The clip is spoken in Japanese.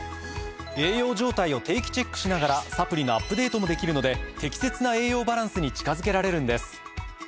栄養状態を定期チェックしながらサプリのアップデートもできるので適切な栄養バランスに近づけられるんです。